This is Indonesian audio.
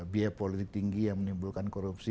biaya politik tinggi yang menimbulkan korupsi